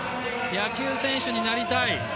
野球選手になりたい。